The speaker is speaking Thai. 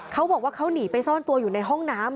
เขาบอกว่าเขาหนีไปซ่อนตัวอยู่ในห้องน้ำ